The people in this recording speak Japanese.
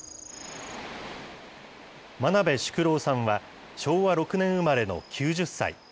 真鍋淑郎さんは、昭和６年生まれの９０歳。